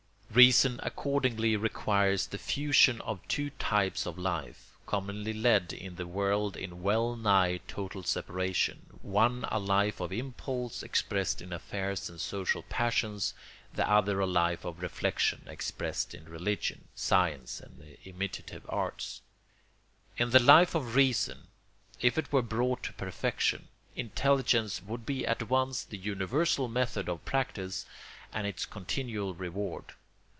Reason accordingly requires the fusion of two types of life, commonly led in the world in well nigh total separation, one a life of impulse expressed in affairs and social passions, the other a life of reflection expressed in religion, science, and the imitative arts. In the Life of Reason, if it were brought to perfection, intelligence would be at once the universal method of practice and its continual reward.